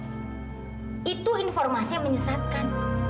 itu informasi yang menyesatkan